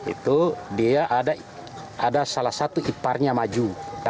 itu dia ada salah satu iparnya maju